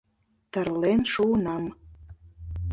Тырлен шуынам.